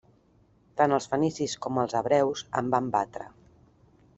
Tant els fenicis com els hebreus en van batre.